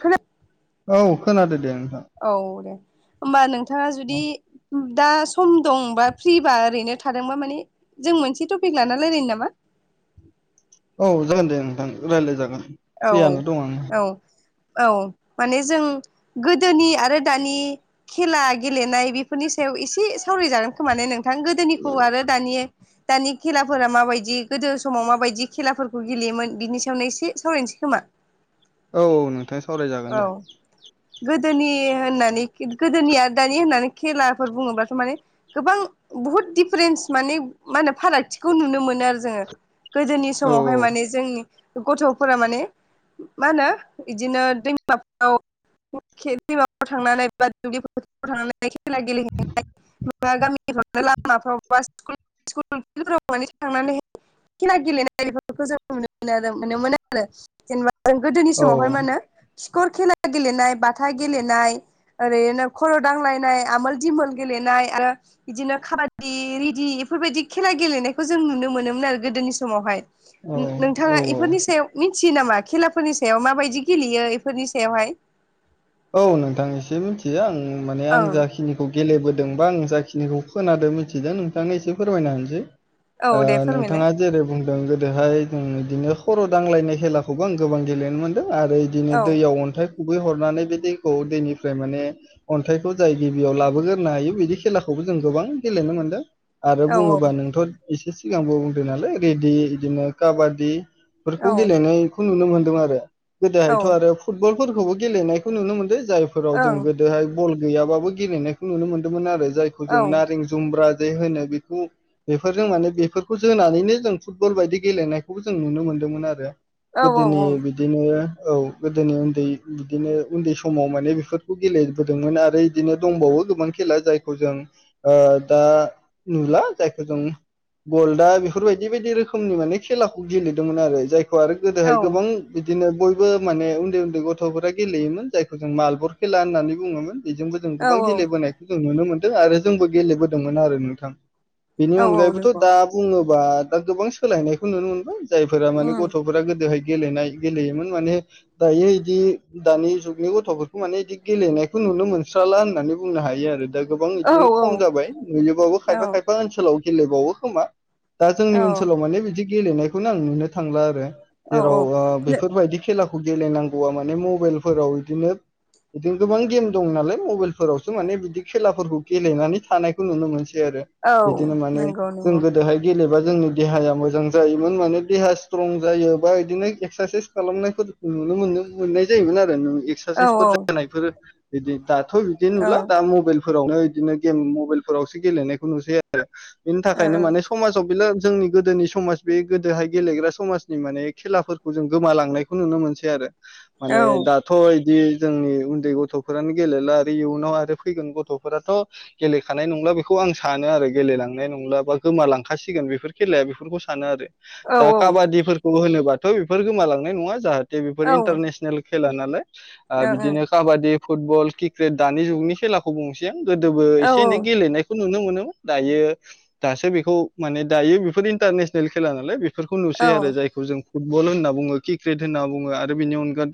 खोना औ खोनादो दे। औ दे होमबा नोंथाङा औ जुदि दा सम दंबा फ्रिबा ओरैनो थादोंबा माने जों मोनसे टपिक लाना रायलायनो नामा? [inaudible] औ जागोन दे नोंथां रायज्लाय जागोन औ फ्रियानो दं आं औ औ माने जों गोदोनि आरो दानि खेला गेलेनाय बेफोरनि सायाव एसे सावरायजागोन खोमा ने नोंथां गोदोनिखौ आरो दानि दानि खेलाफोरा माबायदि गोदो समाव माबायदि खेलाफोरखौ गेलेयोमोन बिनि सायावनो एसे सावरायनोसै खोमा औ नोंथां सावरायजागोन औ दे गोदोनि होनानै गोदोनि दानि होननानै खेलाफोर बुङोब्लाथ' माने गोबां बुहुत दिफारेन्स माने मा होनो फारागथिखौ नुनो मोनो जोङो गोदोनि औ समावहाय माने जोंनि गथ' फोरा माने मा होनो बिदिनो दैमाफ्राव दैमायाव थांनानै बा दुब्लि फोथाराव थांनानै [unintelligible] लामाफ्राव बा स्कुलफोराव माने थांनानैहाय खेला गेलेनाय बेफोरखौ जों नुनो मोनो नुनो मोनो आरो जेनेबा जों गोदोनि औ समावहाय मा होनो खर खेला गेलेनाय बाथा गेलेनाय ओरैनो खर' दांलायनाय आमोल दिमोल गेलेनाय आरो बिदिनो खाबादि रेदि बेफोरबायदि खेला गेलेनायखौ जों नुनो मोनोमोन आरो गोदोनि समावहाय औ औ नोंथाङा औ इफोरनि सायाव मिथियो नामा खेलाफोरनि सायाव माबायदि गेलेयो बेफोरनि सायावहाय औ नोंथां एसे मिथियो आं माने आं ओं जाखिनिखौ गेलेबोदोंबा आङो जाखिनिखौ खोनादों मिथिदों नोंथांनो एसे फोरमायना होनोसै औ दे ओ फोरमायलाय नोंथाङा जेरै बुं दों गोदोहाय जों बिदिनो खर' दांलायनाय खेलाखौबो आं गोबां गेलेनो मोन्दों आरो बिदिनो औ दैयाव अन्थाइ खुबै हरनानै बे दैखौ दैनिफ्राय माने अन्थाइखौ जाय गिबियाव लाबोग्रोनो हायो बिदि खेलाखौबो जों गोबां गेले नो मोनदों आरो औ बुङोबा नोंथ' एसे सिगांबो बुंदो नालाय रेडि बिदिनो काबादि औ फोरखौ गेलेनायखौ नुनो मोनदों आरो औ गोदोहायथ' आरो फुटबलफोरखौबो गेलेनाय नुनो मोनदों जायफोराव जों ओं गोदोहाय बल गैयाबाबो गेलेनायखौ नुनो मोन्दोंमोन आरो जायखौ जों नारें जुमब्रा जे होनो बेखौ बेफोरजों माने बेफोरखौ जोनानैनो जों फुटबल बायदि गेलेनायखौबो जों नुनो मोन्दोंमोन आरो औ गोदोनि बिदिनो औ गोदोनि उन्दै बिदिनो उन्दै समाव माने बेफोरखौ गेलेबोदोंमोन आरो बिदिनो दंबावो गोबां खेला जायखौ जों ओ दा नुला जायखौ जों गल्डआ बेफोरबायदि बायदि रोखोमनि माने खेलाखौ गेलेदोंमोन आरो जाय आरो गोदोहाय गोबां बिदिनो बयबो माने उन्दै उन्दै गथ'फोरा गेलेयोमोन जायखौ जों मालबर खेला होननानै बुङोमोन बेजोंबो जों औ गोबां गेलेबोनायखौ जों नुनो मोनो आरो जोंबो गेलेबोदोंमोन आरो नोंथां बेनि औ औ अनगायैबोथ' नंगौ दा बुङोबा दा गोबां सोलायनायखौ नुनो मोनबाय जायफोरा माने उम गथ'फोरा गोदोहाय गेलेनाय गेलेयोमोन माने दायो बिदि दानि जुग नि गथ'फोरखौ माने बिदि गेलेनायखौ नुनो मोनस्राला होननानै बुंनो हायो आरो दा गोबां औ बिदिनो खम औ जाबाय नुयोबाबो औ खायफा खायफा ओनसोलाव गेलेबावो खोमा दा जोंनि औ ओनसोलाव माने बिदि गेलेनायखौनो आं नुनो थांला आरो औ औ जेराव बेफोरबायदि खेलाखौ गेलेनांगौआ माने मबाइलफोराव बिदिनो बिदिनो गोबां गेम दं नालाय मबाइलफोरावसो माने बिदि खेलाफोरखौ गेलेनानै थानायखौ नुनो मोनसै औ बिदिनो माने नंगौ जों नंगौ गोदोहाय गेलेबा जोंनि देहाया मोजां जायोमोन माने देहा स्ट्रं जायो बा बिदिनो एक्सारसाइस खालामनायफोर मोननाय जायोमोन आरो औ एसारसाइसफोर जानायफोर बिदि दाथ' बिदि औ नुला दा मबाइल फोरावनो बिदिनो गेम मबाइल फोरावसो गेलेनायखौ नुसै आरो बेनि औ थाखायनो माने समाजाव जोंनि गोदोनि समाज बे गोदोहाय गेलेग्रा समाजनि माने खेलाफोरखौ जों गोमालांनायखौ नुनो मोनसै आरो औ माने दाथ' बिदि जोंनि उन्दै गथ'फोरानो गेलेला आरो इयुनाव आरो फैगोन गथ'फोराथ' गेलेखानाय नंला बेखौ आं सानो आरो गेलांनाय नंला बा गोमालांखासिगोन बेफोर खेलाया बेफोरखौ सानो आरो दा औ काबादिफोरखौ होनोबाथ' बेफोर गोमालांनाय नङा जाहाथे बेफोर औ इन्टारनेसनेल खेला नालाय बिदिनो काबादि फुटबल क्रिकेट दानि जुगनि खेलाखौ बुंनोसै आ गोदोबो औ एसे एनै गेलेनायखौ नुनो मोनोमोनो दायो दासो बेखौ माने दायो बे इन्टारनेसनेल खेला नालाय बेफोरखौ औ नुसै आरो ओं जायखौ जों फुटबल होनना बुङो क्रिकेट होनना बुङो आरो बेनि अनगा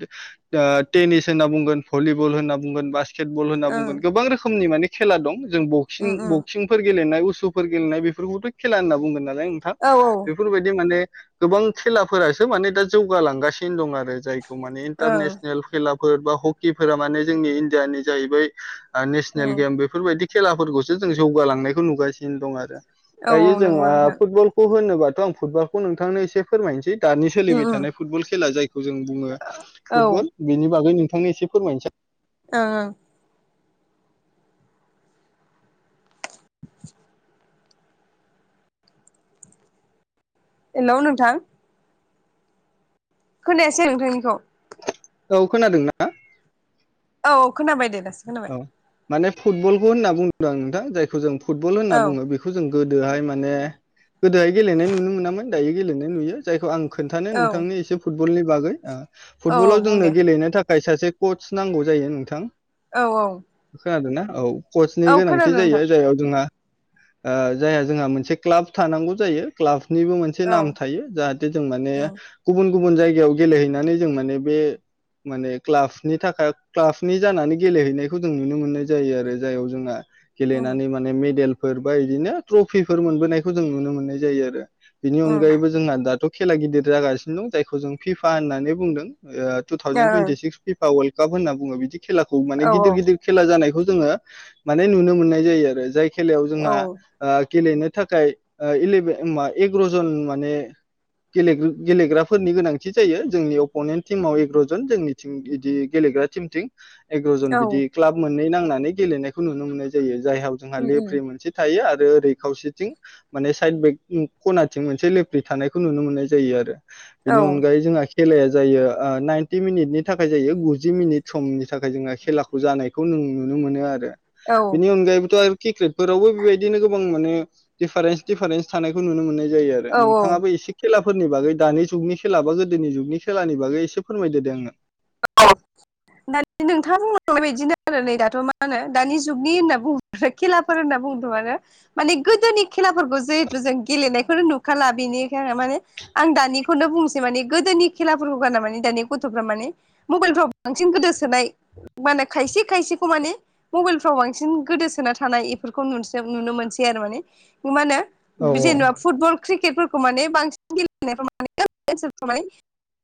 टेनिस होनना बुंगोन भलिबल होनना बुंगोन बास्केटबल होनना बुंगोन गोबां रोखोमनि माने खेला दं जों बक्सिं उम उम बक्सिंफोर गेलेनाय उसुफोर गेलेनाय बेफोरखौथ' खेला होनना बुंगोन आरो नोंथां औ बेफोरबायदि माने गोबां खेलाफोरासो माने दा जौगालांगासिनो दं आरो आरो जायखौ माने ओं इन्टारनेसनेल खेलाफोर बा हकिफोरा माने जोंनि इण्डियानि जाहैबाय नेसनेल उम गेम बेफोरबादि खेलाफोरखौसो जों जौगालांनायखौ नुगासिनो दं आरो औ दायो जों नंगौ ओ नोंथां फुटबलखौ होनोबाथ' आं फुटबलखौ नोंथांनो एसे फोरमायनोसै दानि उम सोलिबाय उम थानाय फुटबल खेला जायखौ जों बुङो औ ओं फुटबल बेनि बागै नोंथांनो एसे फोरमायनोसै ओ [inaudible] हेल' नोंथां खोनायासै नोंथांनिखौ औ खोनादोंना औ खोनाबाय दे दासो खोनाबाय औ माने फुटबलबो होनना बुंदों आं नोंथां जायखौ जों फुटबल होनना औ बुङो बेखौ जों गोदोहाय माने गोदोहाय गेलेनाय नुनो मोनामोन दायो गेलेनाय नुयो जायखौ आं खोन्थानो औ नोंथांनि एसे फुटबलनि बागै औ फुटबलाव बुं जोंनो दे गेलेनो थाखाय सासे कच नांगौ जायो नोंथां औ औ खोनादोंना औ कचनि औ गोनांथि खोनादों जायो नोंथां जायाव जोंहा ओ जायहा जोंहा मोनसे क्लाब थानांगौ जायो क्लाब निबो मोनसे औ नाम थायो जाहाथे जों माने उम गुबुन गुबुन जायगायाव गेलेहैनानै जों माने बे माने क्लाबनि थाखाय क्लाबनि जानानै गेलेहैनायखौ जों नुनो मोननाय जायो आरो जायाव जोंहा उम गेलेनानै माने मेडेल फोर बा बिदिनो ट्रफिफोर मोनोनायखौ जों नुनो मोननाय जायो आरो बिनि उम अनगायैबो जोंहा दाथ' खेला गिदिर जागासिनो दं जायखौ जों फिफा होननानै बुंदों टु ओं thousand twenty six FIFA world cup होनना बुङो बिदि खेलाखौ माने औ गिदिर गिदिर खेला जानायखौ जोङो माने नुनो मोननाय जायो आरो जाय खेलायाव जोंहा औ गेलेनो थाखाय इलेबेन एग्र'जन माने गेलेग्राफोरनि गोनांथि जायो जोंनि अपनेन्ट टिमाव एग्र'जन जोंनि टिम बिदि गेले ग्रा टिम थिं एग्र'जन औ बिदि क्लाब मोननै नांनानै गेलेनायखौ नुनो मोननाय जायो जाहाव जोंहा उम उम लेफ्रि मोनसे थायो आरो आरो ओरै खावसेथिं माने साइद बेक खनाथिं मोनसे लेफ्रि थानायखौ नुनो मोननाय जायो आरो बेनि औ अनगायै जोंहा खेलाया जायो नाइनटि मिनिटनि थाखाय जायो गुजि मिनिट समनि थाखाय जोङो खेलाखौ जानायखौ नों नुनो मोनो आरो औ बेनि अनगायैबोथ' आरो क्रिकेटफोरावबो बेबायदिनो गोबां माने दिफारेन्स दिफारेन्स थानायखौ नुनो मोननाय जायो आरो औ नोंथाङाबो एसे खेला फोरनि बागै दानि जुगनि खेला बा गोदोनि जुगनि खेलानि बागै एसे फोरमायदो दे आंनो [unintelligible] दानि नोंथाङा बुंलांनाय बदिनो आरो नै दाथ' मा होनो दानि जुगनि होनना बुङोब्लाथ' खेलाफोर होनना बुं [unintelligible] आरो माने गोदोनि खेलाफोरखौ जिहेथु जों गेलेनाय फोर नुखाला बेनिखाय माने आं दानिखौनो बुंसै माने गोदोनि खेलाफोरखौ गारना माने दानि गथ'फ्रा माने मबाइलफ्राव बांसिन गोदोसोनाय माने खायसे खायसेखौ मानि मबाइलफ्राव बांसिन गो दोसोना थानाय इफोरखौ नुनस नुनो मोनसै आरो माने मा औ होनो जेनेबा फुटबल क्रि केटफोरखौ माने बांसिन गेलेनाय माने [unintelligible] बिदिनो साफा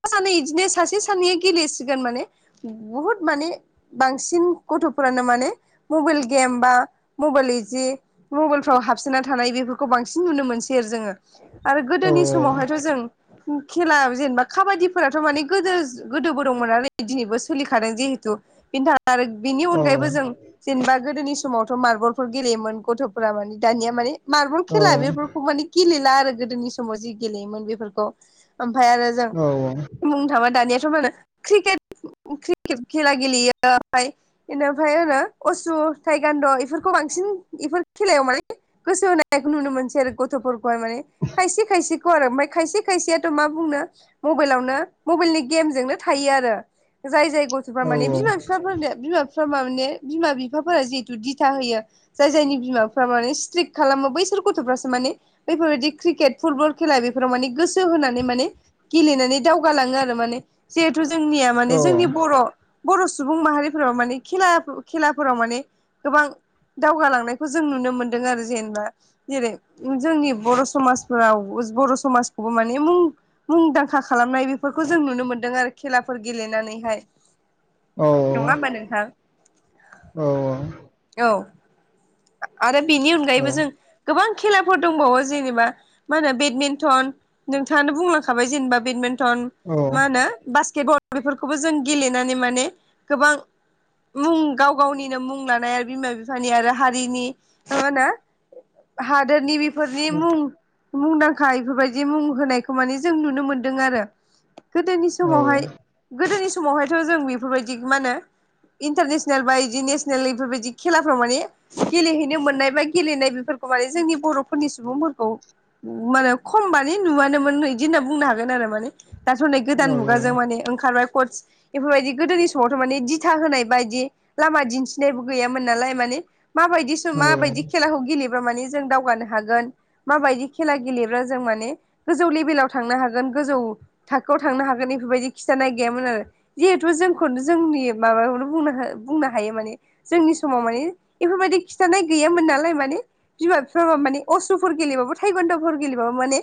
सानै इदिनो सासे सानैया गे लेसिगोन माने बुहुत माने बांसिन गथ'फोरानो माने मबाइल गेम बा मबाइल जि मबाइलफ्राव हाबसोना थानाय बेफोरखौ बांसिन नुनो मोनसै आरो जोङो आरो औ गोदोनि समावहायथ' जों खेला जेनेबा खाबादिफोराथ' माने गोदो गोदोबो दंमोन नालाय दिनैबो सोलिखादों जिहेथु बेनि थाखाय आरो बिनि औ अनगायैबो जों जेनेबा गोदोनि समावथ' मार्बलफोर गेलेयोमोन गथ'फोरा माने दानिया माने मार्बल औ खेला बेफोरखौ माने गेले ला आरो गोदोनि समाव जि गेलेयोमोन बेफोरखौ ओमफ्राय आरो जों औ बुंनो थाङोबा दानिया क्रिकेट खेला गेलेयो ओमफाय इनिफ्राय होनो असु थाइगान्द' इफोरखौ बांसिन इफोर खेलायाव माने गोसो होनाय नुनो मोनसै आरो गथ'फोर हाय माने खायसे खायसेखौ आरो ओमफ्राय खायसे खायसेयाथ' मा बुंनो मबेलावनो मबेलनि गेमजोंनो थायो आरो जाय जाय गथ'फ्रा औ माने औ बिमा फिफाफोर दो बिमा फिफा माने बिमा बिफाफोरा जिहेतु दिथा होयो जाय जायनि बिमाफ्रा माने स्त्रिक खालामो बै सोर गथ'फ्रासो माने बेैफोरबायदि क्रिकेट फुटबल खेला बेफोराव माने गोसो होनानै माने गेलेनानै दावगा लाङो आरो माने जिहेथु जोंनिया माने जोंनि बर' बर' सु सुबुं माहारिफोराबो माने खेला खेलाफोराव माने गोबां दावगालांनायखौ जों नुनो मोनदों आरो जेनेबा जेरै जोंनि बर' समाजफोराव बर' समाजखौबो माने मुंदांखा खालामनाय बेफोरखौ जों नुनो मोन दों आरो खेलाफोर गेलेनानैहाय औ नङा होमबा नोंथां औ औ आ आरो बेनि औ अनगायैबो जों गोबां खेलाफोर दंबावो जेनेबा मा होनो बेदमिन्टन नोंथाङानो बुंलांखाबाय जेनेबा बेदमिन्ट टन औ मा होनो बासकेट बल बेफोरखौबो जों गेलेनानै माने गोबां मुं गाव गावनिनो मुं लानाय आरो बिमा बिफानि आरो हारिनि मा हानो हादोरनि बेफोरनि मुं मुंदांखा इफोर बायदि मुं होनायखौ माने जों नुनो मोनदों आरो गोदोनि समावहाय गोदोनि समावहायथ' जों बेफोर बायदि मा होनो इन्टारनेसनेल बा इदि नेसनेल इफोर बायदि खेलाफ्राव माने गेलेहैनो मोननाय बा गेलेनाय बेफोरखौ माने जोंनि बर'फोरनि सुबुंफोरखौ माने खम मानि नुवानोमोन बिदि होनना बुंनो हागोन आरो माने दाथ' नै गोदान मुगाजों माने ओंखारबाय कस इफोर बायदि गोदोनि समावथ' माने दिथा होनाय बा इदि लामा दिन्थिनायबो गैयामोन नालाय माने माबायदिसो माबायदि खेलाखौ गेलेब बा माने जों दावगानो हागोन माबायदि खेला गेलेब्रा जों माने गोजौ लेभेलाव थांनो हागोन। गोजौ थाखोआव थांनो हागोन इफोर बायदि खिथानायनाय गैयामोन आरो जिहेथु जोंखौनो जोंनि माबा खौनो बुंनो हो बुंनो हायो माने जोंनि समाव माने इफोर बायदि खिथानाय गैयामोन नालाय माने बिमा बिफा बा मानि अश्रुफोर गेलेबाबो थाइगद'फोर गेलेबाबो माने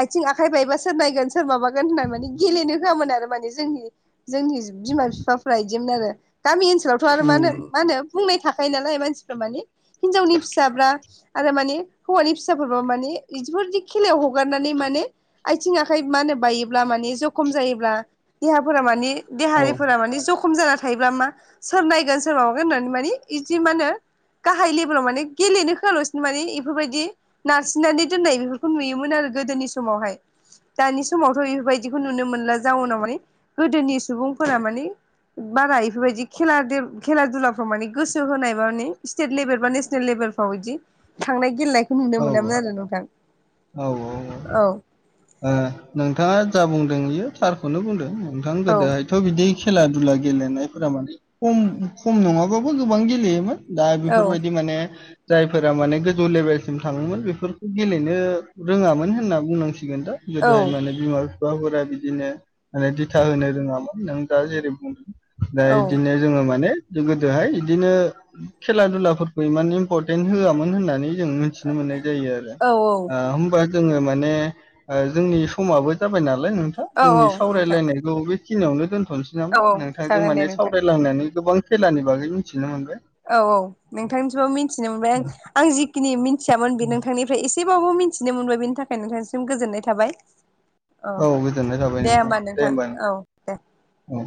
आइथिं आखाइ बायबा सोर नायगोन सोर माबागोन होननानै माने गेलेनो होआमोनो आरो बिफोर माने जोंनि जोंनि बिमा फिफाफ्रा इदिमोन आरो गामि ओनसो लावथ आरो मानो मा होनो बुंनाय थाखायो नालाय मानसिफ्रा माने हिनजावनि फिसा ब्रा आरो माने हौवानि फिसाफोरबो माने बिदिफोर दि खेलायाव हगारनानै माने आइ थिं आखाइ मा होनो बायोब्ला माने जखम जायोब्ला देहाफोरा माने देहारिफोरा माने जख खम जाना थायोब्ला मा सोर नायगोन सोर माबागोन होननानै माने इदि मा होनो गाहाय लेभेलाव माने गेलेनो होआलासिनो माने इफोर बायदि नारसिननानै दोननाय बेफोरखौ नुयोमोन आरो गोदोनि समावहाय दानि समावथ' इफोर बायदिखौ नुनो मोनला जाउनाव माने गोदोनि सुबुंफोरा माने बारा इफोर बायदि खेला खेला दुलाफ्राव माने गोसो होनायबा माने स्टेट लेभेल बा नेसनेल लेभेलफ्राव बिदि थांनाय गेलेनायखौ नुनो मोनामोन आरो नोंथां। औ औ। औ ओ नोंथाङा जा बुं दों बियो थारखौनो बुंदों नोंथां औ गोदोहायथ' बिदि खेला दुला गेलेनायफोरा माने खम खम नङाबाबो गोबां गेलेयोमोन। दा औ बेफोर बायदि माने जायफोरा माने गोजौ लेभेल सिम थाङोमोन बेफोरखौ गेलेनो रोङामोन होनना बुंनांसिगोन दा गोदोहाय माने बिमा बिफाफोरा बिदिनो ओ दिथा होनो रोङामोन नों दा जेरै बुंदों। दा औ इदिनो जोङो माने जों गोदोहाय इदिनो खेला दुलाफोरखौ इमान इम्परटेन्ट होआमोन होननानै जों मिथि नो मोननाय जायो आरो। औ ओ होमबा जोङो माने जोंनि समाबो जाबाय नालाय लाय नोंथां औ औ जोंनि नोंथां सावरायलायनायखौ बेखिनियावनो थ'नोसै नामा औ नोंथांजों जागोन दे माने नोंथां सावरायलांयनानै गोबां खेलानि बागै मिथिनो मोनगोन औ औ नोंथांनिसिबो मिथिनो मोनबाय आं आं जिखिनि मिथियामोन बे नोंथांनिफ्राय एसे एसेबाबो मिथिनो मोनबाय बेनि थाखाय नोंथांनिसिम गोजोननाय थाबाय। औ दे होमबा नोंथां। औ दे। औ